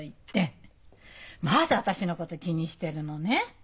まだ私のこと気にしてるのね？